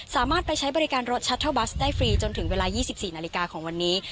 สามารถไปใช้บริการรถชัตเทอร์บัสได้ฟรีจนถึงเวลา๒๔นาฬิกาของวันนี้